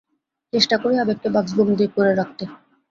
চেষ্টা করি আবেগকে বাক্সবন্দি করে রাখতে।